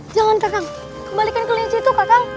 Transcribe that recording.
jangan tergang kembalikan kelinci itu kakang